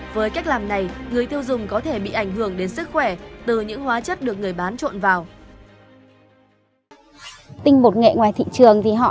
với cách làm này người tiêu dùng có thể bị ảnh hưởng đến sức khỏe từ những hóa chất được người bán trộn vào